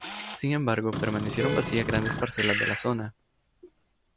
Sin embargo, permanecieron vacías grandes parcelas de la zona.